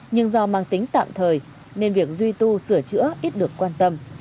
nhưng do mang tính tạm thời nên việc duy tu sửa chữa ít được quan tâm